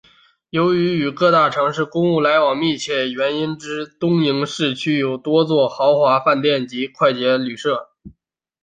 由于与各大城市公务往来密切的原因之一东营市区有多座豪华饭店及快捷旅舍。